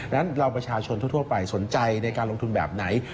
เราประชาชนทั่วไปสนใจในการลงทุนแบบไหน